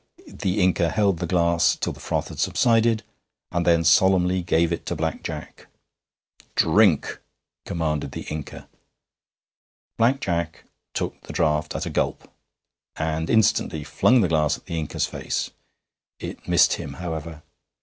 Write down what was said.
The Inca held the glass till the froth had subsided, and then solemnly gave it to Black Jack. 'Drink!' commanded the Inca. Black Jack took the draught at a gulp, and instantly flung the glass at the Inca's face. It missed him, however.